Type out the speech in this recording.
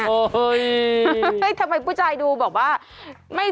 โอ้โฮเฮ่ยทำไมผู้ชายดูบอกว่า